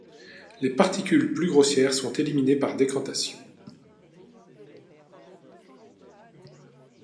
Les particules plus grossières sont éliminées par décantation.